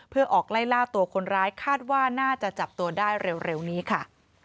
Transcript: เพื่อออกไล่ล่าตัวคนร้ายคาดว่าน่าจะจับตัวได้เร็วนี้ค่ะ